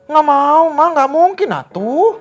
gak mau mah gak mungkin atuh